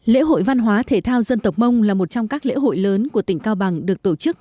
lễ hội văn hóa thể thao dân tộc mông là một trong các lễ hội lớn của tỉnh cao bằng được tổ chức